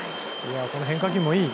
この変化球もいい。